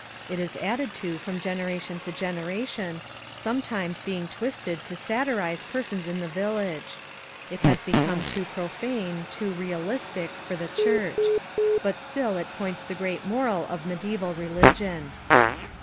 It is added to from generation to generation, sometimes being twisted to satirize persons in the village. It has be come too profane, too realistic, for the Church; but still it points the great moral of medieval religion.